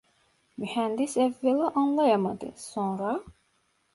Mühendis evvela anlayamadı, sonra: